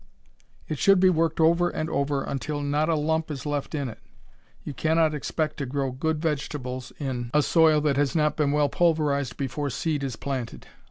It should be worked over and over until not a lump is left in it. You cannot expect to grow good vegetables in a soil that has not been well pulverized before seed is planted.